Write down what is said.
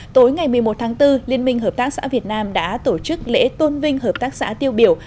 tối ngày một mươi một tháng bốn liên minh hợp tác xã việt nam đã tổ chức lễ tôn vinh hợp tác xã tiêu biểu